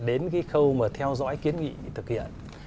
đến khâu theo dõi kiến nghị thực hiện